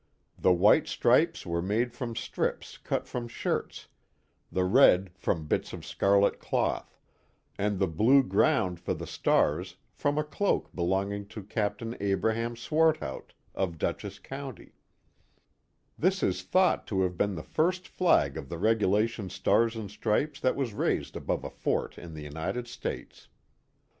The white stripes were made from strips cut from shirts, the red from bits of scarlet cloth, and the blue ground for the stars, from a cloak belonging to Captain Abraham Swartout, of Dutchess County, This is thought to have been the first flag of the regulation stars and stripes that was raised above a fort in the United States.